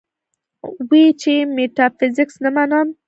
وې ئې چې ميټافزکس نۀ منم -